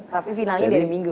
tapi finalnya dari minggu